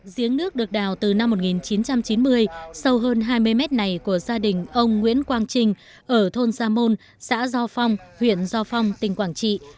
diếng nước được đào từ năm một nghìn chín trăm chín mươi sâu hơn hai mươi mét này của gia đình ông nguyễn quang trình ở thôn gia môn xã gio phong huyện gio phong tỉnh quảng trị